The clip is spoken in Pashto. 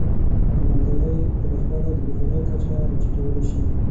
د مالدارۍ پراخوالی د بیکاری کچه راټیټولی شي.